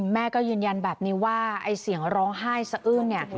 แม่ก็ยืนยันแบบนี้ว่าไอ้เสียงร้องไห้สะอื้นเนี่ย